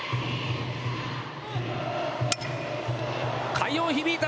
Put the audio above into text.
快音、響いた！